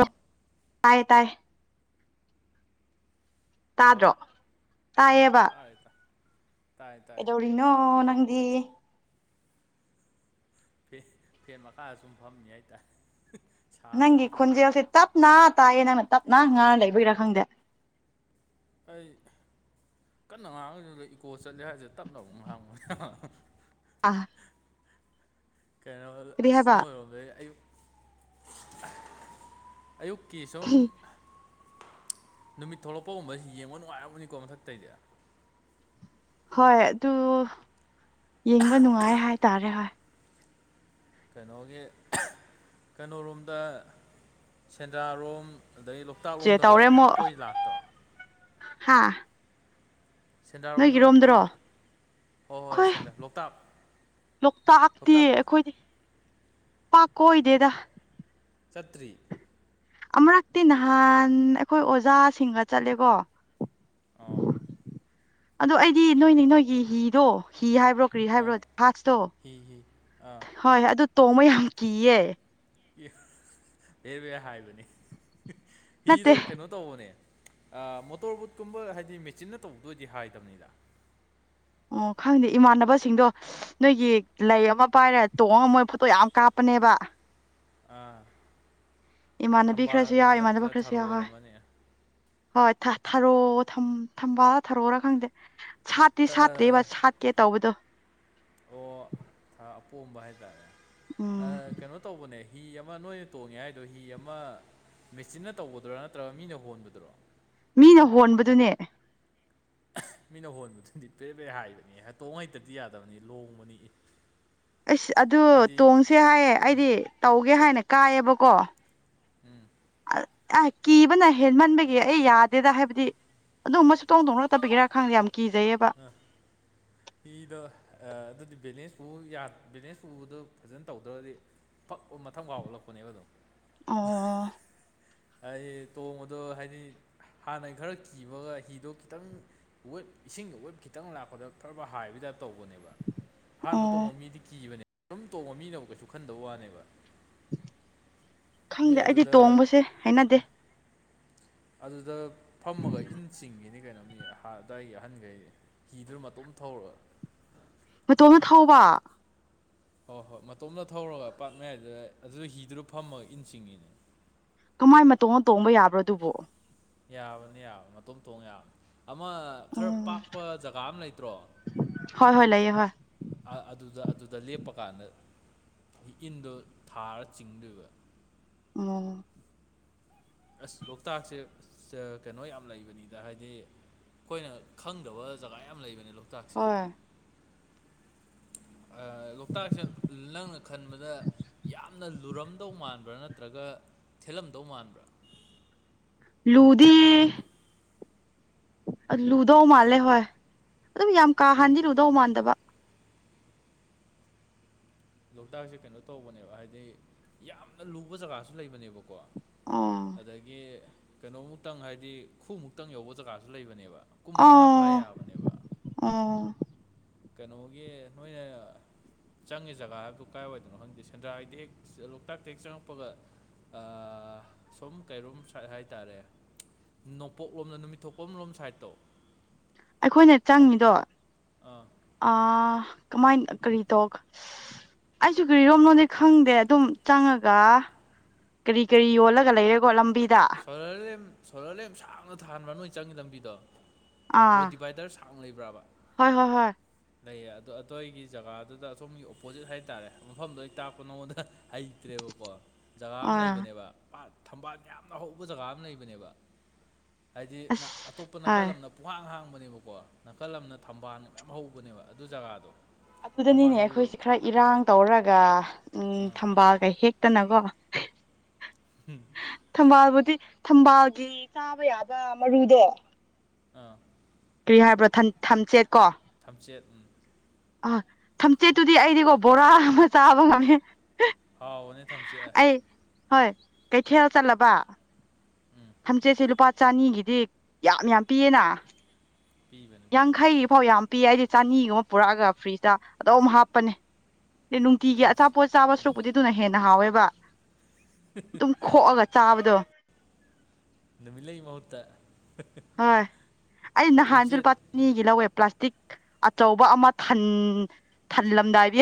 hello ꯇꯥꯏ ꯇꯥꯏ hello ꯇꯥꯗ꯭ꯔꯣ ꯑꯣ ꯇꯥꯏꯌꯦꯕ ꯇꯥꯔꯦ ꯇꯥ ꯇꯥꯔꯦ ꯇꯥꯔꯦ ꯀꯩꯗꯧꯔꯤꯅꯣ ꯅꯪꯗꯤ ꯐꯦ ꯐꯦꯟ ꯃꯈꯥꯗ ꯁꯨꯝ ꯐꯝꯃꯤ ꯍꯥꯏꯇꯥꯔꯦ ꯅꯪꯒꯤ ꯁꯥꯕꯅꯤꯅ ꯈꯣꯟꯖꯦꯜꯁꯦ ꯇꯞꯅ ꯇꯥꯏꯌꯦ ꯅꯪꯅ ꯇꯞꯅ ꯉꯥꯡ ꯂꯩꯕꯒꯤꯔꯥ ꯈꯪꯗꯦ ꯑꯩ ꯀꯟꯅ ꯉꯥꯡꯉꯒꯁꯨ ꯏꯀꯣ ꯆꯠꯂꯦ ꯍꯥꯏꯗ ꯇꯞꯅ ꯑꯃꯨꯛ ꯍꯥꯡꯕꯅꯤꯗ ꯑ ꯀꯩꯅꯣꯒꯗꯣ ꯑꯁ ꯅꯣꯏ ꯔꯣꯝꯗꯗꯤ ꯑꯌꯨꯛ ꯑꯌꯨꯛꯀꯤ ꯁꯨꯝ ꯅꯨꯃꯤꯠ ꯊꯣꯛꯂꯛꯄꯒꯨꯝꯕꯁꯤ ꯌꯦꯡꯕ ꯅꯨꯡꯉꯥꯏꯔꯝꯅꯤꯀꯣ ꯃꯊꯛꯇꯩꯗꯤ ꯍꯣꯏ ꯑꯗꯨ ꯌꯦꯡꯕ ꯅꯨꯡꯉꯥꯏ ꯍꯥꯏꯇꯥꯔꯦ ꯍꯣꯏ ꯀꯩꯅꯣꯒꯤ ꯀꯩꯅꯣꯔꯣꯝꯗ ꯁꯦꯟꯗ꯭ꯔꯥꯔꯣꯝ ꯑꯗꯩ ꯂꯣꯛꯇꯥꯛ ꯆꯦ ꯂꯣꯝꯗꯒ ꯀꯣꯏ ꯂꯥꯛꯇ꯭ꯔꯣ ꯍꯥꯥ ꯁꯦꯟꯗꯥꯔꯣꯝꯗ ꯑꯩꯈꯣꯏ ꯑꯩꯈꯣꯏ ꯂꯣꯛꯇꯥꯛꯇꯤ ꯂꯣꯛꯇꯥꯛ ꯑꯩꯈꯣꯏꯗꯤ ꯄꯥꯀꯣ ꯑꯣꯏꯗꯦꯗ ꯆꯠꯇ꯭ꯔꯤ ꯑꯃꯨꯔꯛꯇꯤ ꯅꯍꯥꯟ ꯑꯩꯈꯣꯏ ꯑꯣꯖꯥꯁꯤꯡꯒ ꯆꯠꯂꯦꯒꯣ ꯑꯣ ꯑꯗ ꯑꯩꯗꯤ ꯅꯣꯏꯅꯤ ꯅꯣꯏꯒꯤ ꯍꯤꯗꯣ ꯀꯤ ꯍꯥꯏꯕ꯭ꯔꯣ ꯀ꯭ꯔꯤ ꯑꯥ ꯍꯥꯏꯕ꯭ꯔꯣ ꯍꯥꯠꯁꯇꯣ ꯍꯤ ꯍꯤ ꯑꯥ ꯍꯣꯏ ꯑꯗꯨ ꯇꯣꯃꯣꯏ ꯌꯥꯝ ꯀꯌꯦ ꯕꯦ ꯕꯦꯔ ꯍꯥꯏꯕꯅꯦ ꯍꯤꯗꯣ ꯅꯠꯇꯦ ꯀꯩꯅꯣ ꯇꯧꯕꯅꯦ ꯃꯣꯇꯣꯔ ꯕꯨꯣꯠꯀꯨꯝꯕ ꯍꯥꯏꯗꯤ ꯃꯦꯆꯤꯟꯅ ꯇꯧꯕꯗ ꯑꯣꯏꯗꯤ ꯍꯥꯏꯗꯕꯅꯤꯗ ꯑꯣ ꯈꯪꯗꯦ ꯏꯃꯥꯟꯅꯕꯁꯤꯡꯗꯣ ꯅꯣꯏꯒꯤ ꯂꯩ ꯑꯃ ꯄꯥꯏꯔꯦ ꯇꯣꯡꯉꯒ ꯃꯣꯏ ꯐꯣꯇꯣ ꯌꯥꯝ ꯀꯥꯞꯄ ꯅꯦꯕ ꯑꯥ ꯏꯃꯥꯟꯅꯕꯤ ꯈ꯭ꯔꯁꯨ ꯌꯥꯎ ꯏꯃꯥꯟꯅꯕ ꯈ꯭ꯔꯁꯨ ꯊꯔꯣ ꯌꯥꯎ ꯍꯣꯏ ꯑꯣꯏꯔꯝꯃꯅꯤ ꯍꯣꯏ ꯊꯥ ꯊꯔꯣ ꯊꯝ ꯊꯝꯕꯥꯜꯂ ꯊꯥꯔꯣꯔ ꯈꯪꯗꯦ ꯁꯥꯠꯇꯤ ꯊ- ꯁꯥꯠꯇ꯭ꯔꯦꯕ ꯑ, ꯁꯥꯠꯀꯦ ꯇꯧꯕꯗꯣ ꯑꯣ ꯑꯄꯣꯝꯕ ꯍꯥꯏꯇꯥꯔꯦ ꯎꯝ ꯀꯩꯅꯣ ꯇꯧꯕꯅꯦ ꯍꯤ ꯑꯃ ꯅꯣꯏꯅ ꯇꯣꯡꯉꯦ ꯍꯥꯏꯗꯣ ꯍꯤ ꯑꯃ ꯃꯦꯆꯤꯟꯅ ꯇꯧꯕꯗꯨꯔꯥ ꯅꯠꯇ꯭ꯔꯒ ꯃꯤꯅ ꯍꯣꯟꯕꯗꯨꯔꯣ ꯃꯤꯅ ꯍꯣꯟꯕꯗꯨꯅꯦ ꯃꯤꯅ ꯍꯣꯟꯕꯗꯨꯗꯤ ꯄ꯭ꯔꯦ ꯄ꯭ꯔꯦ ꯍꯥꯏꯕꯅꯤ ꯍ ꯇꯣꯡꯉꯩꯇꯗꯤ ꯌꯥꯗꯕꯅꯤ ꯂꯣꯡꯕꯅꯤ ꯑꯁ ꯑꯗꯨ ꯍꯥꯏꯗꯤ ꯇꯣꯡꯁꯦ ꯍꯥꯏꯌꯦ ꯎꯝ ꯑꯩꯗꯤ ꯇꯧꯒꯦ ꯍꯥꯏꯅ ꯀꯥꯏꯌꯦꯕꯀꯣ ꯎꯝ ꯑ ꯀꯤꯕꯅ ꯍꯦꯟꯃꯟꯕꯒꯤ ꯑꯩ ꯌꯥꯗꯦꯗ ꯍꯥꯏꯕꯗꯤ ꯑꯗꯨꯝꯕꯨ ꯇꯧꯗꯧꯅ ꯅꯛꯇꯕꯤꯒꯤꯔꯥ ꯈꯪꯗꯦ ꯌꯥꯝ ꯀꯤꯖꯩꯌꯦꯕ ꯑ ꯏꯗ ꯑ ꯑꯗꯨꯗꯤꯕꯦꯅꯤꯁ ꯕꯤꯖꯤꯅꯦꯁ ꯄꯨꯕꯗ ꯐꯖꯅ ꯇꯧꯗ꯭ꯔꯗꯤ ꯐꯛ ꯃꯊꯪ ꯀꯥꯎ ꯑꯣꯠꯂꯛꯄꯅꯦꯕ ꯑꯗꯨꯝ ꯑꯣ ꯑꯩ ꯇꯣꯡꯕꯗꯣ ꯍꯥꯏꯗꯤ ꯍꯥꯟꯅꯩ ꯈꯔ ꯀꯤꯕꯒ ꯍꯤꯗꯣ ꯈꯤꯇꯪ ꯋꯦꯞ ꯏꯁꯤꯡꯗ ꯋꯦꯞ ꯈꯤꯇꯪ ꯂꯥꯛꯄꯗ ꯈꯔ ꯍꯥꯏꯕꯗ ꯇꯧꯕꯅꯦꯕ ꯑꯣ ꯑꯍꯥꯟꯕ ꯇꯣꯡꯕ ꯃꯤꯗꯤ ꯀꯤꯕꯅꯦ ꯁꯨꯝ ꯇꯣꯡꯕ ꯃꯤꯅꯕꯨ ꯀꯩꯁꯨ ꯈꯟꯗꯕ ꯋꯥꯅꯦꯕ ꯈꯪꯗꯦ ꯑꯩꯗꯤ ꯇꯣꯡꯕꯁꯦ ꯍꯥꯏꯅꯗꯦ ꯑꯗꯨꯗ ꯐꯝꯃꯒ ꯏꯟ ꯆꯤꯡꯉꯤꯅꯤ ꯀꯩꯅꯣ ꯃꯤ ꯑꯗꯨꯋꯥꯏꯒꯤ ꯑꯍꯟꯈꯩ ꯍꯤꯗꯨ꯭ꯔ ꯃꯇꯝ ꯊꯧꯔꯒ ꯃꯇꯣꯝꯅ ꯊꯧꯕ ꯍꯣꯏ ꯍꯣꯏ ꯃꯇꯣꯝꯇ ꯊꯧꯔꯒ ꯄꯥꯛ ꯃꯌꯥꯏꯗꯨꯗ ꯑꯗꯨꯗ ꯍꯤꯗꯨꯗ ꯐꯝꯃꯒ ꯏꯟ ꯆꯤꯡꯉꯤꯅꯦ ꯀꯃꯥꯏ ꯃꯇꯧꯅ ꯇꯣꯡꯕ ꯌꯥꯕ꯭ꯔꯣ ꯑꯗꯨꯕꯣ ꯌꯥꯕꯅꯤ ꯌꯥꯕꯅꯤ ꯃꯇꯨꯝ ꯊꯣꯡ ꯌꯥꯕꯅꯤ ꯑꯃ ꯈꯔ ꯎꯝ ꯄꯥꯛꯄ ꯖꯒꯥ ꯑꯃ ꯂꯩꯇ꯭ꯔꯣ ꯍꯣꯏ ꯍꯣꯏ ꯂꯩꯌꯦ ꯍꯣꯏ ꯑ ꯑꯗꯨꯗ ꯑꯗꯨ ꯑꯗꯨ ꯗ ꯂꯦꯞꯄꯀꯥꯟꯗ ꯏꯟꯗꯣ ꯊꯥꯔ ꯆꯤꯡꯗꯣꯏꯕ ꯎꯝ ꯑꯁ ꯂꯣꯛꯇꯥꯛꯁꯦ ꯀꯩꯅꯣ ꯌꯥꯝ ꯂꯩꯕꯅꯤꯗ ꯍꯥꯏꯗꯤ ꯑꯩꯈꯣꯏꯅ ꯈꯪꯗꯕ ꯖꯒꯥ ꯌꯥꯝ ꯂꯩꯕꯅꯦ ꯂꯣꯛꯇꯥꯛꯁꯦ ꯍꯣꯏ ꯂꯣꯛꯇꯥꯛꯁꯦ ꯅꯪꯅ ꯈꯟꯕꯗ ꯌꯥꯝꯅ ꯂꯨꯔꯝꯗꯧ ꯃꯥꯟꯕ꯭ꯔꯥ ꯅꯠꯇ꯭ꯔꯒ ꯊꯦꯜꯂꯝꯗꯧ ꯃꯥꯟꯕ꯭ꯔꯥ ꯂꯨꯗꯤ ꯂꯨꯗꯧ ꯃꯥꯜꯂꯦ ꯍꯣꯏ ꯑꯗꯨꯝ ꯌꯥꯝ ꯀꯥ ꯂꯨ ꯍꯥꯟꯗꯤ ꯂꯨꯗꯧ ꯃꯥꯟꯗꯕ ꯂꯣꯛꯇꯥꯛꯁꯦ ꯀꯩꯅꯣ ꯇꯧꯕꯅꯦꯕ ꯍꯥꯏꯗꯤ ꯌꯥꯝꯅ ꯂꯨꯕ ꯖꯒꯥꯁꯨ ꯂꯩꯕꯅꯦꯕꯀꯣ ꯑꯣ ꯑꯗꯒꯤ ꯀꯩꯅꯣꯃꯨꯛꯇꯪ ꯍꯥꯏꯗꯤ ꯈꯨꯃꯨꯛꯇꯪ ꯌꯧꯕ ꯖꯒꯥꯁꯨ ꯂꯩꯕꯅꯦꯕ ꯀꯨꯝ ꯑꯣ ꯃꯉꯥ ꯐꯥ ꯌꯥꯕꯅꯦꯕ ꯑꯣ ꯀꯩꯅꯣꯒꯤ ꯅꯣꯏꯅ ꯆꯪꯉꯦ ꯖꯒꯥ ꯍꯥꯏꯕꯗꯨ ꯀꯥꯏꯋꯥꯏꯗꯅꯣ ꯈꯪꯗꯦ ꯁꯦꯟꯗ꯭ꯔꯥꯒꯤꯗꯤ ꯍꯦꯛ ꯂꯣꯛꯇꯥꯛꯇ ꯍꯦꯛ ꯆꯪꯉꯛꯄꯒ ꯁꯨꯝ ꯀꯩꯔꯨꯝ ꯁ ꯍꯥꯏꯇꯥꯔꯦ ꯅꯣꯡꯄꯣꯛꯂꯣꯝꯗ ꯅꯨꯃꯤꯠꯊ ꯊꯣꯛꯄꯝꯂꯣꯝ ꯁꯥꯏꯗꯠꯇꯣ ꯑꯩꯈꯣꯏꯅ ꯆꯪꯉꯤꯗꯣ ꯑꯥ ꯑ ꯀꯃꯥꯏꯅ ꯀꯔꯤ ꯇꯣ ꯑꯩꯁꯨ ꯀꯔꯤꯔꯣꯝꯅꯣꯗꯤ ꯈꯪꯗꯦ ꯑꯗꯨꯝ ꯆꯪꯉꯒ ꯀꯔꯤ ꯀꯔꯤ ꯑꯣꯂꯒ ꯂꯩꯦꯒꯣ ꯂꯝꯕꯤ ꯁꯣꯂꯔ ꯂꯦꯝ ꯁꯣꯂꯔ ꯂꯦꯝ ꯁꯥꯡꯅ ꯊꯥꯟꯕ꯭ꯔꯥ ꯅꯣꯏ ꯆꯪꯉ ꯂꯝꯕꯤꯗꯣ ꯔꯣ ꯑꯥ ꯗꯤꯚꯥꯏꯗꯔ ꯁꯥꯡ ꯂꯩꯕ꯭ꯔꯕ ꯍꯣꯏ ꯍꯣꯏ ꯍꯣꯏ ꯂꯩꯌꯦ ꯑꯗꯣ ꯑꯗꯣꯏꯒꯤ ꯖꯒꯥꯗꯨꯗ ꯑꯁꯣꯝꯒꯤ ꯑꯣꯄꯣꯖꯤꯠ ꯍꯥꯏꯇꯥꯔꯦ ꯃꯐꯝꯗꯣ ꯇꯥꯛꯄ ꯅꯉꯣꯟꯗ ꯍꯩꯇ꯭ꯔꯦꯕꯀꯣ ꯖꯒꯥ ꯑꯃ ꯑꯥ ꯂꯩꯕꯅꯦꯕ ꯄꯥ ꯊꯝꯕꯥꯜ ꯌꯥꯝ ꯑꯍꯧꯕ ꯖꯒꯥ ꯑꯃ ꯂꯩꯕꯅꯦꯕ ꯍꯥꯏꯗꯤ ꯑꯁ ꯑꯇꯣꯞꯄ ꯍꯣꯏ ꯅꯥꯀꯜ ꯑꯃꯅ ꯄꯨꯡꯍꯥꯡ ꯍꯥꯡꯕꯅꯤ ꯅꯦꯕꯀꯣ ꯅꯥꯀꯜ ꯑꯃꯅ ꯊꯝꯕꯥꯜ ꯃꯌꯥꯝ ꯍꯧꯕꯅꯦꯕ ꯑꯗꯨ ꯖꯒꯥꯗꯣ ꯑꯗꯨꯗꯅꯤꯅꯦ ꯊꯝꯕꯥꯜ ꯍꯧꯕꯗꯣ ꯑꯩꯈꯣꯏꯁꯦ ꯈꯔ ꯏꯔꯥꯡ ꯇꯧꯔꯒ ꯎꯝ ꯑꯥ ꯊꯝꯕꯥꯜꯒꯩ ꯍꯦꯛꯇꯅꯀꯣ ꯊꯝꯕꯥꯜꯕꯨꯗꯤ ꯊꯝꯕꯥꯜꯒꯤ ꯆꯥꯕ ꯌꯥꯕ ꯃꯔꯨꯗꯣ ꯑꯥ ꯀꯔꯤ ꯍꯥꯏꯕ꯭ꯔꯣ ꯊꯝꯆꯦꯠ ꯀꯣ ꯊꯝꯆꯦꯠ ꯑ ꯊꯝꯆꯦꯠꯇꯨꯗꯤ ꯑꯩꯗꯤꯀꯣ ꯕꯣꯔꯥ ꯑꯃ ꯆꯥꯕ ꯉꯝꯃꯦ ꯍꯥꯎꯅꯦ ꯊꯝꯆꯑꯦ ꯀꯩꯊꯦꯜꯦꯜ ꯆꯜꯂꯕ ꯎꯝ ꯊꯝꯆꯦꯠꯁꯦ ꯂꯨꯄꯥ ꯆꯅꯤꯒꯤꯗꯤ ꯌꯥꯝ ꯌꯥꯝ ꯄꯤꯌꯦꯅ ꯄꯤꯕꯅꯦ ꯄꯤꯕꯅꯦ ꯌꯥꯡꯈꯩ ꯐꯥꯎ ꯌꯥꯝ ꯄꯤ ꯍꯥꯏꯗꯤ ꯆꯅꯤꯒꯨꯝꯕ ꯄꯨꯔꯛꯑꯒ ꯐ꯭ꯔꯤꯖꯇ ꯑꯗꯨꯝ ꯍꯥꯞꯄꯅꯦ ꯅꯨꯡꯇꯤꯒꯤ ꯊꯝꯆꯦꯠ ꯑꯆꯥꯄꯣꯠ ꯆꯥꯕ ꯁꯔꯨꯛꯄꯨꯗꯤ ꯑꯗꯨꯅ ꯍꯦꯟꯅ ꯍꯥꯎꯋꯦꯕ ꯑꯗꯨꯝ ꯈꯣꯛꯑꯒ ꯆꯥꯕꯗꯣ ꯅꯨꯃꯤꯂꯩ ꯃꯍꯨꯠꯇ ꯍꯣꯏ ꯑꯩ ꯅꯍꯥꯟꯁꯨ ꯊꯝꯆꯦꯠ ꯂꯨꯄꯥ ꯎꯝ ꯑꯅꯤꯒꯤ ꯂꯧꯋꯦ ꯄ꯭ꯂꯥꯁꯇꯤꯛ ꯑꯆꯧꯕ ꯑꯃ ꯊꯜꯂꯝꯗꯥꯏꯗꯤ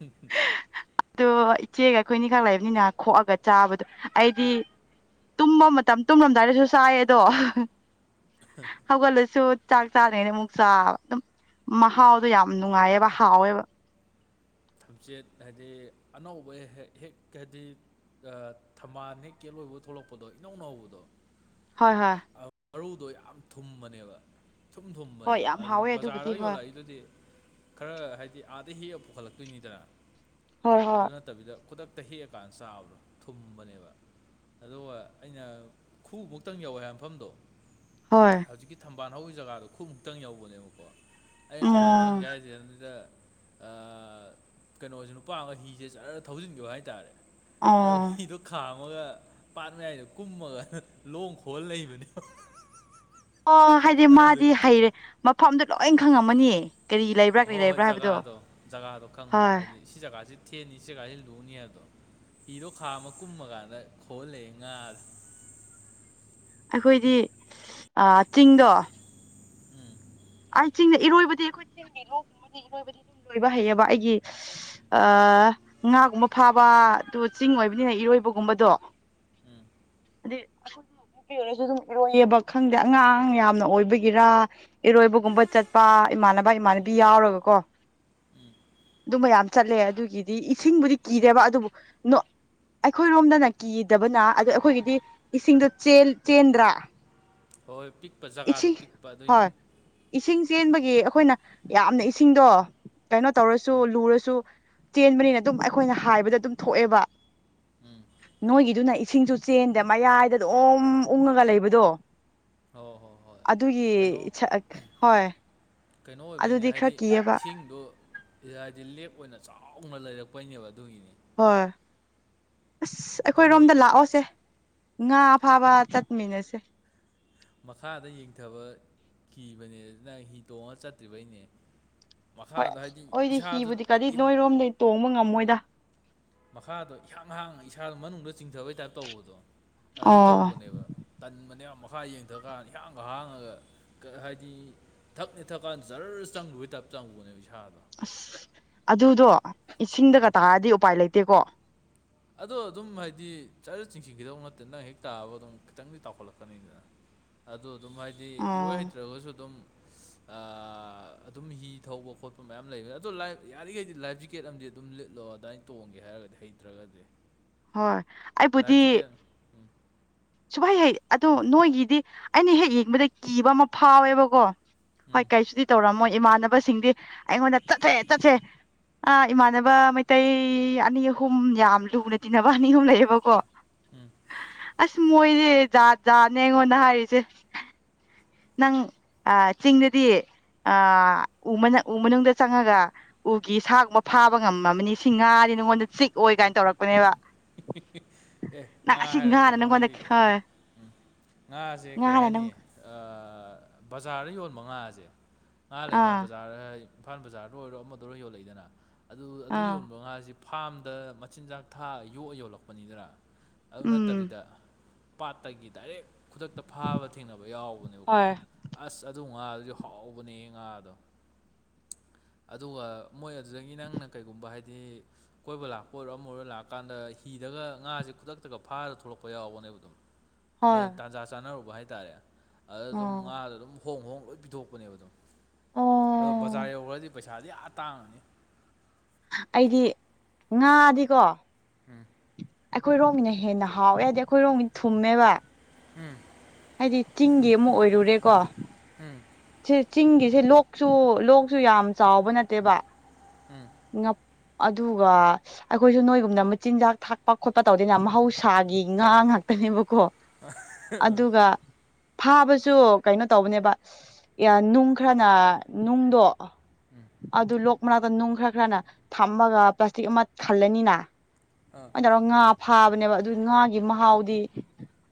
ꯍꯝ ꯎꯝ ꯑꯗꯣ ꯏꯆꯦꯒ ꯑꯩꯈꯣꯏꯅꯤꯈꯛ ꯂꯩꯕꯅꯤꯅ ꯈꯣꯛꯑꯒ ꯆꯥꯕꯗꯣ ꯑꯩꯗꯤ ꯇꯨꯝꯕ ꯃꯇꯝ ꯇꯨꯝꯂꯝꯂꯝꯗꯥꯏꯗꯁꯨ ꯁꯥꯏꯌꯦ ꯑꯗꯣ ꯍꯧꯒꯠꯂꯁꯨ ꯆꯥꯛ ꯆꯥꯗ꯭ꯔꯤꯉꯩꯗ ꯑꯃꯨꯛ ꯆꯥꯕ ꯑꯗꯨꯝ ꯃꯍꯥꯎꯗꯣ ꯌꯥꯝ ꯅꯨꯡꯉꯥꯏꯌꯦꯕ ꯍꯥꯎꯋꯦꯕ ꯊꯝꯆꯦꯠ ꯍꯥꯏꯗꯤ ꯑꯅꯧꯕ ꯍꯦꯛ ꯍꯦꯛ ꯍꯥꯏꯗꯤ ꯊꯝꯕꯥꯜ ꯍꯦꯛ ꯀꯦꯜꯂꯣꯏꯕ ꯊꯣꯛꯂꯛꯄꯗꯣ ꯏꯅꯧ ꯅꯧꯕꯗꯣ ꯍꯣꯏ ꯍꯣꯏ ꯑ, ꯃꯔꯨꯗꯣ ꯌꯥꯝ ꯊꯨꯝꯕꯅꯦꯕ ꯊꯨꯝ ꯍꯣꯏ ꯊꯨꯝꯕꯅꯦꯕ ꯌꯥꯝ ꯑꯗꯨꯗꯤ ꯍꯥꯎꯋꯦ ꯑꯗꯨꯕꯨꯗꯤ ꯕꯖꯥꯔꯗ ꯍꯣꯏ ꯌꯣꯜꯂꯛꯏꯗꯨꯗꯤ ꯈꯔ ꯍꯥꯏꯗꯤ ꯑꯥꯗ ꯍꯦꯛꯑ ꯄꯨꯈꯠꯂꯛꯇꯣꯏꯅꯤꯗꯅ ꯍꯣꯏ ꯍꯣꯏ ꯑꯗꯨ ꯅꯠꯇꯕꯤꯗ ꯈꯨꯗꯛ ꯇ ꯍꯦꯛꯑꯀꯥꯟꯗ ꯆꯥꯕ꯭ꯔꯣ ꯊꯨꯝꯕꯅꯦꯕ ꯑꯗꯨꯒ ꯑꯩꯅ ꯈꯨ ꯃꯨꯛꯇꯪ ꯌꯧꯋꯦ ꯍꯥꯏ ꯃꯐꯝꯗꯣ ꯍꯣꯏ ꯍꯧꯖꯤꯛꯀꯤ ꯊꯝꯕꯥꯜ ꯍꯧ ꯖꯒꯥꯗꯣ ꯈꯨꯠꯃꯨꯛꯇꯪ ꯌꯧꯕꯅꯦꯕꯀꯣ ꯑ ꯀꯃꯥꯏ ꯑꯣ ꯈꯪꯒꯦ ꯍꯥꯏꯁꯦ ꯑꯗꯨꯗ ꯀꯩꯅꯣꯁꯤ ꯅꯨꯄꯥꯒ ꯍꯤꯁꯦ ꯆꯠꯔꯔ ꯊꯧꯖꯤꯟꯈꯤꯕꯦ ꯍꯥꯏꯇꯥꯔꯦ ꯑꯗꯨ ꯑꯣ ꯍꯤꯗꯣ ꯈꯥ ꯒ ꯄꯥꯛꯅꯉꯏꯗ ꯀꯨꯝꯃꯒ ꯂꯣꯡ ꯈꯣꯜ ꯂꯩꯕꯅꯦ ꯑꯣ ꯍꯥꯏꯗꯤ ꯃꯥꯗꯤ ꯍꯩꯔꯦ ꯃꯐꯝꯗꯣ ꯂꯣꯏ ꯈꯪꯉꯝꯃꯅꯤꯌꯦ ꯍꯣꯏ ꯍꯣꯏ ꯖꯒꯥꯗꯣ ꯖꯒꯥꯗꯣ ꯈꯪꯕ ꯍꯣꯏ ꯍꯥꯏꯗꯤ ꯁꯤ ꯖꯒꯥꯁꯤ ꯅꯤꯡꯁꯦ ꯀꯖꯤ ꯂꯨꯅꯤꯗꯣ ꯏꯤꯔꯣ ꯈꯥ ꯑꯃ ꯀꯨꯝꯃ ꯀꯥꯟꯗ ꯈꯣꯍꯜꯂꯑꯦ ꯉꯥꯥꯁꯦ ꯑꯩꯈꯣꯏꯗꯤ ꯆꯤꯡꯗꯣ ꯎꯝ ꯑꯩ ꯆꯤꯡꯗ ꯏꯔꯣꯏꯕꯗꯤ ꯑꯩꯈꯣꯏ ꯆꯤꯡꯒꯤ ꯂꯣꯒꯨꯝꯕꯗꯤ ꯏꯔꯣꯏꯕꯗꯤ ꯑꯗꯨꯝ ꯂꯣꯏꯕ ꯍꯩꯌꯦꯕ ꯑꯩꯒꯤ ꯉꯥꯒꯨꯝꯕ ꯐꯥꯕ ꯑꯗꯨ ꯆꯤꯡ ꯑꯣꯏꯕꯅꯤꯅ ꯏꯔꯣꯏꯕꯒꯨꯝꯕꯗꯣ ꯎꯝ ꯑꯗꯤ ꯅꯨꯄꯤ ꯑꯣꯏꯔꯁꯨ ꯑꯗꯨꯝ ꯏꯔꯣꯏꯌꯦꯕ ꯈꯪꯗꯦ ꯑꯉꯥꯡ ꯌꯥꯝꯅ ꯑꯣꯏꯕꯒꯤꯔ ꯏꯔꯣꯏꯕꯒꯨꯝꯕ ꯆꯠꯄ ꯏꯃꯥꯟꯅꯕ ꯏꯃꯥꯟꯅꯕꯤ ꯌꯥꯎꯔꯒꯀꯣ ꯎꯝ ꯑꯗꯨ ꯃ ꯌꯥꯝ ꯆꯠꯂꯦ ꯑꯗꯨꯒꯤꯗꯤ ꯏꯁꯤꯡꯕꯨꯗꯤ ꯀꯤꯗꯦꯕ ꯑꯗꯨꯕꯨ ꯑꯩꯈꯣꯏꯔꯣꯝꯗꯅ ꯀꯤꯗꯕꯅ ꯑ ꯑꯩꯈꯣꯏꯒꯤꯗꯤ ꯏꯁꯤꯡꯗꯣ ꯆꯦꯟꯗ꯭ꯔꯥ ꯍꯣꯏꯣꯏ ꯄꯤꯛꯄ ꯖꯒꯥꯗꯣ ꯏꯁꯤꯡ ꯄꯤꯛꯄ ꯍꯣꯏ ꯑꯗꯨꯏꯅꯦ ꯏꯁꯤꯡ ꯆꯦꯟꯕꯒꯤ ꯑꯩꯈꯣꯏꯅ ꯌꯥꯝꯅ ꯏꯁꯤꯡꯗꯣ ꯀꯩꯅꯣ ꯇꯧꯔꯁꯨ ꯎꯝ ꯂꯨꯔꯁꯨ ꯆꯦꯟꯕꯅꯤꯅ ꯑꯗꯨꯝ ꯑꯩꯈꯣꯏꯅ ꯍꯥꯏꯕꯗ ꯑꯗꯨꯝ ꯊꯣꯛꯑꯦꯕ ꯎꯝ ꯅꯣꯏꯒꯤꯗꯨꯅ ꯏꯁꯤꯡꯁꯨ ꯆꯦꯟꯗ ꯃꯌꯥꯏꯗ ꯑꯗꯨꯝ ꯎꯪꯉꯒ ꯂꯩꯕꯗꯣ ꯍꯣꯏ ꯍꯣꯏ ꯍꯣꯏ ꯑꯗꯨꯒꯤ ꯀꯩꯅꯣ ꯍꯣꯏ ꯀꯩꯅꯣ ꯑꯣꯏꯕꯩꯅꯦ ꯑꯗꯨꯗꯤ ꯈꯔ ꯍꯥꯏꯗꯤ ꯀꯤꯌꯦꯕ ꯏꯁꯤꯡꯗ ꯍꯥꯏꯗꯤ ꯂꯦꯛ ꯑꯣꯏꯅ ꯆꯥꯎ ꯆꯥꯎꯥꯎꯅ ꯂꯩꯔꯛꯄꯩꯅꯦꯕ ꯑꯗꯨꯒꯤꯅꯤ ꯍꯣꯏ ꯑꯁ ꯀꯩꯅꯣ ꯑꯩꯈꯣꯏꯔꯣꯝꯗ ꯂꯥꯛꯑꯣꯁꯦ ꯉꯥ ꯐꯥꯕ ꯇꯠꯃꯤꯅꯁꯦ ꯃꯈꯥꯗ ꯌꯦꯡꯊꯕ ꯀꯤꯕꯅꯦ ꯑꯗꯨ ꯅꯪ ꯍꯤ ꯇꯣꯡꯉ ꯆꯠꯇ꯭ꯔꯤꯕꯩꯅꯦ ꯍꯣꯏ ꯃꯈꯥꯗ ꯑꯁ ꯍꯥꯏꯗꯤ ꯑꯣꯏꯗꯤ ꯏꯁꯥꯗ ꯍꯤꯕꯨꯗꯤ ꯀꯔꯩ ꯌꯥꯝ ꯅꯣꯏꯔꯣꯝꯗꯩ ꯇꯣꯡꯕ ꯉꯝꯃꯣꯏꯗ ꯃꯈꯥꯗꯣ ꯏꯍꯥꯡꯍꯥꯡꯉ ꯏꯁꯥꯗꯣ ꯃꯅꯨꯡꯗ ꯆꯤꯡꯊꯕꯩ ꯇꯥꯏꯞ ꯇꯧꯕꯗꯣ ꯑꯗꯥꯏꯅ ꯑꯣ ꯇꯧꯕꯅꯦꯕ ꯇꯟꯕꯅꯦ ꯌꯥꯝ ꯃꯈꯥ ꯌꯦꯡꯊꯀꯥꯟꯗ ꯏꯍꯥꯡꯒ ꯍꯥꯡꯉꯒ ꯍꯥꯏꯗꯤ ꯊꯛꯅꯦ ꯊꯛꯀꯥꯟꯗ ꯖꯔ ꯆꯪꯗꯨꯕꯩ ꯇꯞ ꯆꯥꯡꯕꯨꯅꯦ ꯏꯁꯥꯗ ꯑꯁ ꯑꯗꯨꯗꯣ ꯏꯁꯤꯡꯗꯒ ꯇꯥꯔꯛꯑꯗꯤ ꯎꯄꯥꯏ ꯂꯩꯇꯦꯀꯣ ꯑꯗꯣ ꯑꯗꯨꯝ ꯍꯥꯏꯗꯤ ꯆꯔ ꯆꯤꯡꯁꯤꯟꯈꯤꯗꯧ ꯅꯠꯇꯦ ꯅꯪ ꯍꯦꯛ ꯇꯥꯑꯕ ꯑꯗꯨꯝ ꯈꯤꯇꯪꯗꯤ ꯆꯥꯎꯥꯎꯈꯠꯂꯛꯀꯅꯤꯗꯅ ꯑꯗꯨ ꯑꯗꯨꯝ ꯍꯥꯏꯗꯤ ꯏꯔꯣꯏ ꯑꯣ ꯍꯩꯇ꯭ꯔꯒꯁꯨ ꯑꯗꯨꯝ ꯑꯗꯨꯝ ꯍꯤ ꯊꯧꯕ ꯈꯣꯠꯄ ꯃꯌꯥꯝ ꯂꯩꯕꯅꯤ ꯑꯗꯣ ꯂꯥꯏꯐ ꯌꯥꯔꯤꯈꯩꯗꯤ ꯂꯥꯏꯐ ꯖꯦꯀꯦꯠ ꯑꯃꯗꯤ ꯑꯗꯨꯝ ꯂꯤꯠꯂꯣ ꯑꯗꯨꯃꯏꯅ ꯇꯣꯡꯉꯦ ꯒꯦ ꯍꯥꯏꯔꯒꯗꯤ ꯍꯩꯇ꯭ꯔꯒꯗꯤ ꯍꯣꯏ ꯑꯩꯕꯨꯗꯤ ꯂꯥꯏꯐ ꯖꯤꯀꯦꯠ ꯎꯝ ꯁꯨꯃꯥꯏ ꯍꯩ ꯑꯗꯨ ꯅꯣꯏꯒꯤꯗꯤ ꯑꯩꯅ ꯍꯦꯛ ꯌꯦꯡꯕꯗ ꯀꯤꯕ ꯑꯃ ꯐꯥꯎꯋꯦꯕꯀꯣ ꯍꯣꯏ ꯎꯝ ꯀꯩꯁꯨꯗꯤ ꯇꯧꯔꯝꯃꯣꯏ ꯏꯃꯥꯟꯅꯕꯁꯤꯡꯗꯤ ꯑꯩꯉꯣꯟꯗ ꯆꯠꯊꯦ ꯆꯠꯁꯦ ꯑꯥ ꯏꯃꯥꯟꯅꯕ ꯃꯩꯇꯩ ꯑꯅꯤ ꯑꯍꯨꯝ ꯌꯥꯝ ꯂꯨꯅ ꯇꯤꯟꯅꯕ ꯑꯅꯤ ꯑꯍꯨꯝ ꯂꯩꯌꯦꯕꯀꯣ ꯎꯝ ꯑꯁ ꯃꯣꯏꯅꯦ ꯖꯥꯠ ꯖꯥꯠꯅꯦ ꯑꯩꯉꯣꯟꯗ ꯍꯥꯏꯔꯤꯁꯦ ꯅꯪ ꯑ ꯆꯤꯡꯗꯗꯤ ꯑ ꯎ ꯃꯅꯨꯡꯗ ꯆꯪꯉꯒ ꯎꯒꯤ ꯁꯥꯒꯨꯝꯕ ꯐꯥꯕ ꯉꯝꯃꯕꯅꯤ ꯁꯤ ꯉꯥꯔꯤ ꯅꯉꯣꯟꯗ ꯆꯤꯛꯑꯣ ꯀꯥꯏꯅ ꯇꯧꯔꯛꯄꯅꯦꯕ ꯑꯦ ꯅꯪ ꯉꯥ ꯑꯁꯤ ꯉꯥꯅ ꯍꯥꯏꯔꯛꯀꯩꯅꯣ ꯅꯪꯉꯣꯟꯗ ꯍꯥꯏꯕꯤꯌꯦꯦ ꯍꯣꯏ ꯎꯝ ꯉꯥꯁꯦ ꯀꯩ ꯉꯥꯅ ꯍꯥꯏꯅꯤ ꯅꯪ ꯕꯖꯥꯔꯗ ꯌꯣꯟꯕ ꯉꯥꯁꯦ ꯉꯥ ꯂꯩꯗꯅ ꯑꯥ ꯕꯖꯥꯔꯗ ꯏꯝꯐꯥꯜ ꯕꯖꯥꯔꯗ ꯑꯣꯏꯔꯣ ꯑꯃꯗ ꯑꯣꯏꯔꯣ ꯌꯣꯜꯂꯛꯏꯗꯅ ꯑꯗꯨ ꯑꯗꯨ ꯑꯥ ꯌꯣꯟꯕ ꯉꯥꯁꯤ ꯐꯥꯔꯝꯗ ꯃꯆꯤꯟꯖꯥꯛ ꯊꯥꯛ ꯌꯣꯛꯑ ꯌꯣꯜꯂꯛꯄꯅꯤꯗꯔ ꯑꯗꯨ ꯎꯝ ꯅꯠꯇꯕꯤꯗ ꯄꯥꯠꯇꯒꯤ ꯗꯥꯏꯔꯦꯛ ꯈꯨꯗꯛꯇ ꯐꯥꯕ ꯊꯦꯡꯅꯕ ꯌꯥꯎꯕꯅꯦꯕꯀꯣ ꯍꯣꯏ ꯑꯁ ꯑꯗꯨ ꯉꯥ ꯑꯗꯨ ꯍꯥꯎꯕꯅꯦ ꯉꯥꯗꯣ ꯑꯗꯨꯒ ꯃꯣꯏ ꯑꯗꯨꯗꯒꯤ ꯅꯪꯅ ꯀꯩꯒꯨꯝꯕ ꯍꯥꯏꯗꯤ ꯀꯣꯏꯕ ꯂꯥꯛꯄ ꯑꯣꯏꯔꯣ ꯑꯃ ꯑꯣꯏꯔꯣ ꯂꯥꯛꯄ ꯂꯥꯛ ꯀꯥꯟꯗ ꯍꯤꯗꯒ ꯉꯥꯁꯦ ꯈꯨꯗꯛꯇꯒ ꯐꯥꯔ ꯊꯣꯛꯂꯛꯄ ꯌꯥꯎꯕꯅꯦꯕ ꯑꯗꯨꯝ ꯍꯣꯏ ꯃꯣꯏ ꯇꯥꯟꯖꯥ ꯆꯥꯅꯔꯨꯕ ꯍꯥꯏꯇꯥꯔꯦ ꯑꯗꯨ ꯑꯗꯨꯝ ꯑꯣ ꯉꯥꯗ ꯑꯗꯨꯝ ꯍꯣꯡ ꯍꯣꯡ ꯂꯣꯏ ꯄꯤꯊꯣꯛꯄꯅꯦꯕ ꯑ ꯑꯗꯨꯝ ꯑꯗꯣ ꯑꯣ ꯕꯖꯥꯔ ꯌꯧꯈ꯭ꯔꯗꯤ ꯄꯩꯁꯥꯗꯤ ꯌꯥꯝ ꯇꯥꯡꯉꯅꯤ ꯑꯩꯗꯤ ꯉꯥꯗꯤꯀꯣ ꯑꯩꯈꯣꯏ ꯔꯣꯝꯃꯤꯅ ꯍꯦꯟꯅ ꯍꯥꯎꯋꯦ ꯍꯥꯏꯗꯤ ꯑꯩꯈꯣꯏ ꯔꯣꯝꯒꯤꯅ ꯊꯨꯝꯃꯦꯕ ꯍꯥꯏꯗꯤ ꯆꯤꯡꯒꯤ ꯑꯃꯨꯛ ꯑꯣꯏꯔꯨꯔꯦꯀꯣ ꯎꯝ ꯁꯤ ꯆꯤꯡꯒꯤꯁꯦ ꯂꯣꯛꯁꯨ ꯂꯣꯛꯁꯨ ꯌꯥꯝ ꯆꯥꯎꯕ ꯅꯠꯇꯦꯕ ꯑꯗꯨꯒ ꯑꯩꯈꯣꯏꯁꯨ ꯅꯣꯏꯒꯨꯝꯅ ꯃꯆꯤꯟꯖꯥꯛ ꯊꯥꯛꯄ ꯈꯣꯠꯄ ꯇꯧꯗꯅ ꯃꯍꯧꯁꯥꯒꯤ ꯉꯥ ꯉꯥꯛꯇꯅꯦꯕ ꯀꯣ ꯑꯗꯨꯒ ꯐꯥꯕꯁꯨ ꯀꯩꯅꯣ ꯇꯧꯕꯅꯦꯕ ꯅꯨꯡ ꯈꯔꯅ ꯅꯨꯡꯗꯣ ꯑꯗꯨ ꯂꯣꯛ ꯃꯅꯥꯛꯇ ꯅꯨꯡ ꯈꯔ ꯈꯔꯅ ꯊꯝꯃꯒ ꯄ꯭ꯂꯥꯁꯇꯤꯛ ꯑꯃ ꯊꯜꯂꯅꯤꯅ ꯑꯥ ꯀꯃꯥꯏꯅ ꯇꯧꯔꯒ ꯉꯥ ꯐꯥꯕꯅꯦꯕ ꯑꯗꯨ ꯉꯥꯒꯤ ꯃꯍꯥꯎꯗꯤ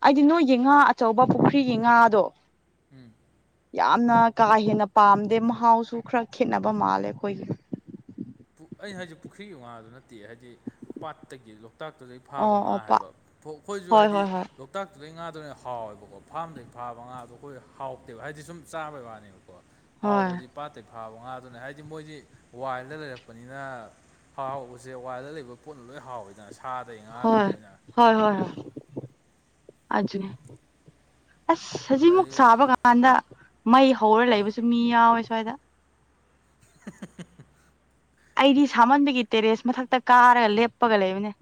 ꯑꯩꯗꯤ ꯅꯣꯏꯒꯤ ꯉꯥ ꯑꯆꯧꯕ ꯄꯨꯈ꯭ꯔꯤꯒꯤ ꯉꯥꯗꯣ ꯎꯝ ꯌꯥꯝꯅ ꯀꯥ ꯍꯦꯟꯅ ꯄꯥꯝꯗꯦ ꯃꯍꯥꯎꯁꯨ ꯈꯔ ꯈꯦꯠꯅꯕ ꯃꯥꯜꯂꯦ ꯑꯩꯈꯣꯏꯒꯤ ꯑꯩꯅ ꯍꯥꯏꯖꯤ ꯄꯨꯈ꯭ꯔꯤꯒꯤ ꯉꯥꯗꯨ ꯅꯠꯇꯦ ꯍꯥꯏꯗꯤ ꯄꯥꯠꯇꯒꯤꯗꯣ ꯂꯣꯛꯇꯥꯛꯇꯨꯗꯩ ꯐꯥꯕ ꯑꯣ ꯉꯥ ꯑꯣ ꯄꯥ ꯍꯥꯏꯕ ꯑꯩꯈꯣꯏꯁꯨ ꯍꯣꯏ ꯍꯥꯏꯗꯤ ꯍꯣꯏ ꯍꯣꯏ ꯂꯣꯛꯇꯥꯛ ꯑꯗꯨꯗꯩ ꯉꯥꯗꯨꯅ ꯍꯥꯎꯋꯦꯕꯀꯣ ꯐꯥꯔꯝꯗꯒꯤꯩ ꯐꯥꯕ ꯉꯥꯗꯣ ꯑꯩꯈꯣꯏ ꯍꯥꯎꯇꯦꯕ ꯍꯥꯏꯗꯤ ꯁꯨꯝ ꯆꯥꯕꯩ ꯋꯥꯅꯦꯕ ꯀꯣ ꯍꯣꯏ ꯍꯥꯎꯕꯗꯤ ꯄꯥꯠꯠꯇꯩ ꯐꯥꯕ ꯉꯥꯗꯨꯅꯤ ꯍꯥꯏꯗꯤ ꯃꯣꯏꯗꯤ ꯋꯥꯏꯜꯗ ꯂꯩꯔꯛꯄ ꯂꯥꯛꯄꯅꯤꯅ ꯍꯥꯎꯥꯎꯕꯁꯦ ꯋꯥꯏꯗ ꯂꯩꯕ ꯄꯣꯠ ꯂꯣꯏ ꯍꯥꯎꯋꯗꯁ ꯍꯣꯏ ꯍꯣꯏ ꯍꯣꯏ ꯍ ꯑ ꯑꯁ ꯍꯧꯖꯤꯛꯃꯨꯛ ꯍꯥꯏꯗꯤ ꯁꯥꯕ ꯀꯥꯟꯗ ꯃꯩ ꯍꯧꯔ ꯂꯩꯕꯁꯨ ꯃꯤ ꯌꯥꯎꯋꯦ ꯐꯗ [inaudible] ꯑꯩꯗꯤ ꯁꯥꯃꯟꯕꯒꯤ ꯇꯦꯔꯦꯁ ꯃꯊꯛꯇ ꯀꯥꯔꯒ ꯂꯦꯞꯄꯒ ꯂꯩꯕꯅꯦ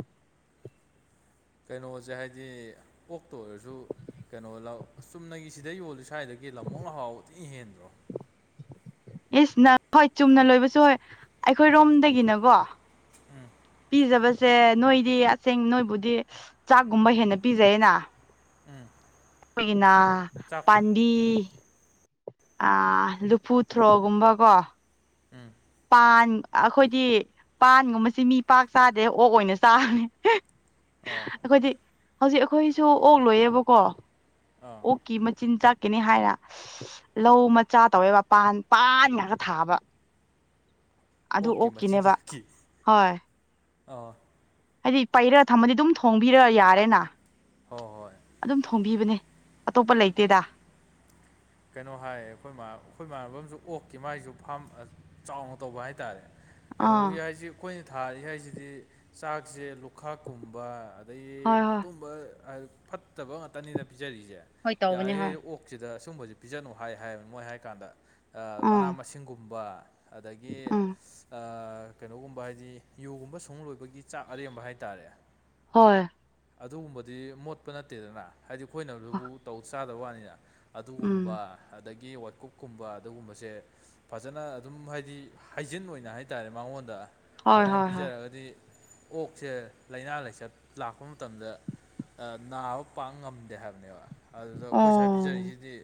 ꯀꯩꯅꯣꯁꯦ ꯍꯥꯏꯗꯤ ꯑꯣꯛꯇ ꯑꯣꯏꯔꯁꯨ ꯀꯩꯅꯣ ꯂꯥꯛꯑꯣ ꯆꯨꯝꯅꯒꯤ ꯁꯤꯗ ꯌꯣꯜꯂꯤ ꯁ꯭ꯋꯥꯏꯗꯒꯤ ꯂ ꯑꯃꯨꯅ ꯍꯥꯎ ꯊꯤ ꯏ ꯍꯦꯟ ꯏꯁꯁ ꯅ ꯍꯣꯏ ꯆꯨꯝꯅ ꯂꯣꯏꯕꯁꯨ ꯍꯣꯏ ꯑꯩꯈꯣꯏꯔꯣꯝꯗꯒꯤꯅꯀꯣ ꯎꯝ ꯄꯤꯖꯕꯁꯦ ꯅꯣꯏꯗꯤ ꯑꯁꯦꯡ ꯅꯣꯏꯕꯨꯗꯤ ꯆꯥꯛꯒꯨꯝꯕ ꯍꯦꯟꯅ ꯄꯤꯖꯩꯌꯦꯅ ꯎꯝ ꯣꯏꯒꯤꯅ ꯆꯥꯛ ꯄꯥꯟꯗꯤ ꯎꯝ ꯑ ꯂꯨꯐꯨ ꯊ꯭ꯔꯣꯒꯨꯝꯕꯀꯣ ꯎꯝ ꯄꯥꯟ ꯑꯩꯈꯣꯏꯗꯤ ꯄꯥꯟꯒꯨꯝꯕꯁꯤꯦ ꯃꯤ ꯄꯥꯛ ꯆꯥꯗꯦ ꯑꯣꯛ ꯑꯣꯏꯅ ꯆꯥꯕꯅꯤ ꯑꯣ ꯑꯩꯈꯣꯏꯗꯤ ꯍꯧꯖꯤꯛ ꯑꯩꯈꯣꯏꯁꯨ ꯑꯣꯛ ꯂꯣꯏꯌꯦꯕꯀꯣ ꯑꯥ ꯑꯣꯀꯤ ꯃ ꯆꯤꯟꯆꯥꯥꯛ ꯀꯅꯤ ꯍꯥꯏꯅ ꯂꯧ ꯃꯆꯥ ꯇꯧꯋꯦꯕ ꯄꯥꯟ ꯄꯥꯟꯒꯒ ꯊꯥꯕ ꯑꯗꯨ ꯑꯣꯛꯀꯤ ꯑꯣꯀꯤꯅꯦꯕ ꯍꯣꯏ ꯑ ꯍꯥꯏꯗꯤ ꯄꯩꯔ ꯊꯝꯃꯗꯤ ꯑꯗꯨꯝ ꯊꯣꯡꯕꯤꯔ ꯌꯥꯔꯦꯅ ꯍꯣꯏ ꯍꯣꯏ ꯑꯗꯨꯝ ꯊꯣꯡꯕꯤꯕꯅꯦ ꯑꯇꯣꯞꯄ ꯂꯩꯇꯦꯗ ꯀꯩꯅꯣ ꯍꯥꯏ ꯑꯩꯈꯣꯏ ꯑꯩꯈꯣꯏꯃꯥꯟꯅꯕꯁꯨ ꯑꯣꯛꯀꯤ ꯃꯥꯥꯏꯁꯨ ꯐꯥꯝ ꯆꯥꯎꯅ ꯇꯧꯕ ꯍꯥꯏꯇꯥꯔꯦ ꯑꯥ ꯀꯩꯅꯣꯒꯤ ꯍꯥꯏꯁꯤ ꯑꯩꯈꯣꯏꯅ ꯊꯥꯔꯤ ꯍꯥꯏꯁꯤꯗꯤ ꯆꯥꯛꯁꯦ ꯂꯨꯈꯥꯛꯀꯨꯝꯕ ꯍꯣꯏ ꯑꯗꯩ ꯍꯣꯏ ꯑꯗꯨꯝꯕ ꯐꯠꯇꯕ ꯉꯥꯛꯇꯅꯤꯅ ꯄꯤꯖꯔꯤꯁꯦ ꯍꯣꯏ ꯇꯧꯕꯅꯦ ꯍꯣꯏ ꯌꯥꯔꯤꯈꯩ ꯑꯣꯛꯁꯤꯗ ꯁꯨꯝꯕꯕꯁꯤꯦ ꯄꯤꯖꯅꯨ ꯍꯥꯏ ꯍꯥꯏꯕꯅꯤ ꯃꯣꯏ ꯍꯥꯏ ꯀꯥꯟꯗ ꯎꯝ ꯃꯅꯥ ꯃꯁꯤꯡꯒꯨꯝꯕ ꯑꯗꯒꯤ ꯎꯝ ꯀꯩꯅꯣꯒꯨꯝꯕ ꯍꯥꯏꯗꯤ ꯌꯣꯒꯨꯝꯕ ꯁꯨꯡ ꯂꯣꯏꯕꯒꯤ ꯆꯥꯛ ꯑꯔꯦꯝꯕ ꯍꯥꯏꯇꯥꯔꯦ ꯍꯣꯏ ꯑꯗꯨꯒꯨꯝꯕꯗꯤ ꯃꯣꯠꯄ ꯅꯠꯇꯦꯗꯅ ꯍꯥꯏꯗꯤ ꯑꯩꯈꯣꯏꯅꯗꯨꯕꯨ ꯇꯧ ꯆꯥꯗꯕ ꯋꯥꯅꯤꯅ ꯎꯝ ꯑꯗꯨꯒꯨꯝꯕ ꯑꯗꯒꯤ ꯋꯥꯀꯨꯞꯀꯨꯝꯕ ꯑꯗꯨꯒꯨꯝꯕꯁꯦ ꯐꯖꯅ ꯑꯗꯨꯝ ꯍꯥꯏꯗꯤ ꯍꯥꯏꯖꯤꯟ ꯑꯣꯏꯅ ꯍꯥꯏꯇꯥꯔꯦ ꯃꯉꯣꯟꯗ ꯍꯣꯏ ꯑꯗꯨꯃꯥꯏꯅ ꯍꯣꯏ ꯍꯣꯏ ꯄꯤꯖꯔꯒꯗꯤ ꯑꯣꯛꯁꯦ ꯂꯥꯏꯅꯥ ꯂꯥꯏꯆꯠ ꯂꯥꯛꯄ ꯃꯇꯝꯗ ꯅꯥꯕ ꯄꯥꯡ ꯉꯝꯗꯦ ꯍꯥꯏꯕꯅꯦꯕ ꯑꯗꯨꯗ ꯑꯩꯈꯣꯏ ꯁ꯭ꯋꯥꯏ ꯑꯣ ꯄꯤꯖꯔꯤꯁꯤꯗꯤ